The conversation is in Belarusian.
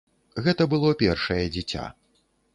Гэта было першае дзіця.